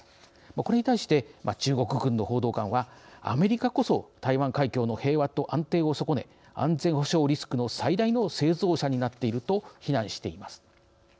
これに対して中国軍の報道官はアメリカこそ台湾海峡の平和と安定を損ね安全保障リスクの最大の製造者になっていると非難しています。